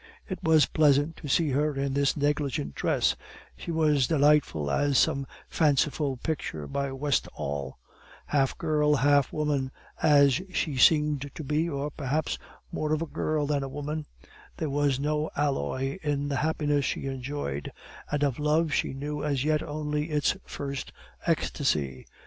It was pleasant to see her in this negligent dress; she was delightful as some fanciful picture by Westall; half girl, half woman, as she seemed to be, or perhaps more of a girl than a woman, there was no alloy in the happiness she enjoyed, and of love she knew as yet only its first ecstasy.